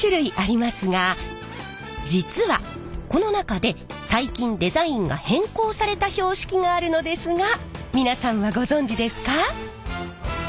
実はこの中で最近デザインが変更された標識があるのですが皆さんはご存じですか？